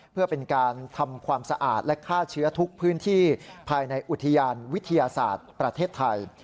เพื่อเป็นการทำความสะอาดและฆ่าเชื้อทุกพื้นที่ภายในอุทยานวิทยาศาสตร์ประเทศไทย